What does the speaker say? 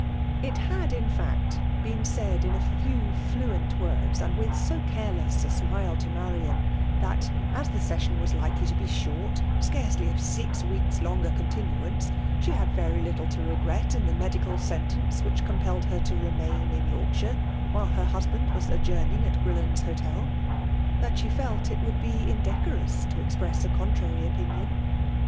It had, in fact, been said in a few fluent words, and with so careless a smile to Marian^ {hat, as the session was likely to be short, — scarcely of six weeks' longer continuance,—* she had very little to regret in the medical sentence, which compelled her to remain in Yorkshire, while her husband was sojourning at Grillon's Hotel, — that she felt it would be in decorous to express a contrary opinion.